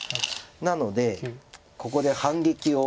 なのでここで反撃を。